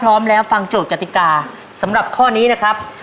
พร้อมแล้วฟังโจทย์กติกาสำหรับข้อนี้นะครับ